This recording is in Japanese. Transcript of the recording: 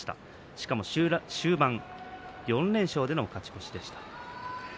しかも終盤４連勝での勝ち越しでした。